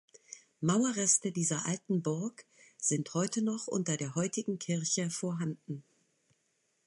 Mauerreste dieser alten Burg sind heute noch unter der heutigen Kirche vorhanden.